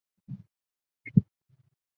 并河因幡守宗隆之弟。